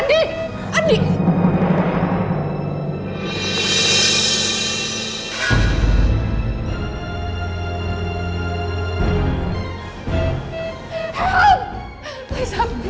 dia mencoba untuk pergi